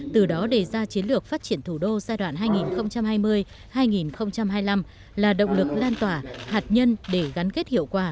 từ đó đề ra chiến lược phát triển thủ đô giai đoạn hai nghìn hai mươi hai nghìn hai mươi năm là động lực lan tỏa hạt nhân để gắn kết hiệu quả